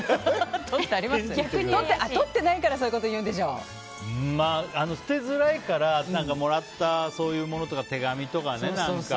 とってないから捨てづらいからもらった、そういうものとか手紙とかね。